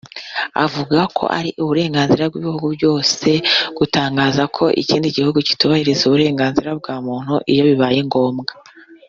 avuga ko ari uburenganzira bw’ibihugu byose gutangaza ko ikindi gihugu kitubahiriza uburenganzira bwa muntu iyo bibaye ngombwa